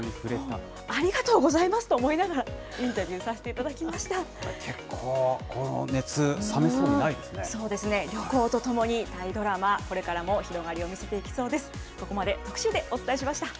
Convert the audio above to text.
ありがとうございますと思いながら、インタビューさせていた結構、この熱、冷めそうになそうですね、旅行とともにタイドラマ、これからも広がりを見せていきそうです。